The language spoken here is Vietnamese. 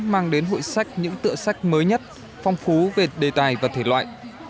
mang đến hội sách những tựa sách mới nhất phong phú về đề tài và thể loại